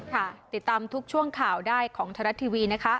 ค่ะติดตามทุกช่วงข่าวได้ของไทยรัฐทีวีนะคะ